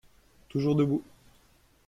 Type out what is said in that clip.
Toujours debout